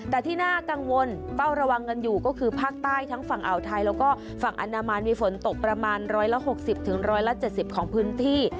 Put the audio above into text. แต่ที่น่ากังวลเฝ้าระวังกันอยู่ก็คือภาคใต้ทั้งฝั่งอ่าวไทยแล้วก็ฝั่งอนามันมีฝนตกประมาณ๑๖๐๑๗๐ของพื้นที่